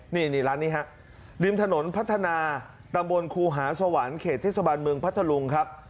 นี่ร้านนี้ฮะริมถนนพัฒนาตำบลครูหาสวรรค์เขตเทศบาลเมืองพัทธลุงครับ